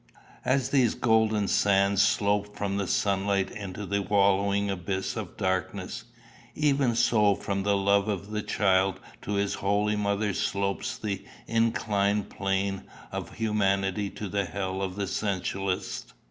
As these golden sands slope from the sunlight into the wallowing abyss of darkness, even so from the love of the child to his holy mother slopes the inclined plane of humanity to the hell of the sensualist.